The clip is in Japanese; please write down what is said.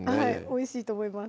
おいしいと思います